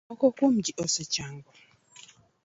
Moko kuom ji osechango.